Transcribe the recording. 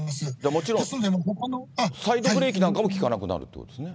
もちろんサイドブレーキなんかも利かなくなるってことですね。